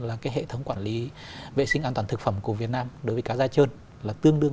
là cái hệ thống quản lý vệ sinh an toàn thực phẩm của việt nam đối với cá da trơn